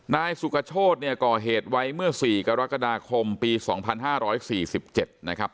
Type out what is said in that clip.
นายสุกโชธเนี่ยก่อเหตุไว้เมื่อ๔กรกฎาคมปี๒๕๔๗นะครับ